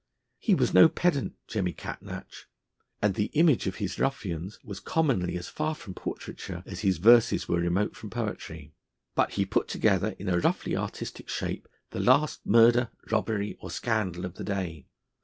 He was no pedant Jemmy Catnach; and the image of his ruffians was commonly as far from portraiture, as his verses were remote from poetry. But he put together in a roughly artistic shape the last murder, robbery, or scandal of the day.